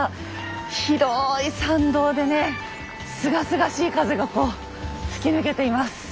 広い参道でねすがすがしい風がこう吹き抜けています。